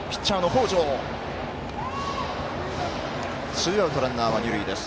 ツーアウト、ランナー、二塁です。